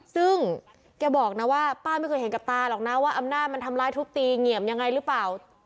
ซึ่งแกบอกนะว่าป้าไม่เคยเห็นกับตาหรอกนะว่าอำนาจมันทำร้ายทุบตีเหงี่ยมยังไงหรือเปล่า